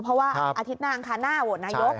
เพราะว่าอาทิตย์หน้าอังคารหน้าโหวตนายก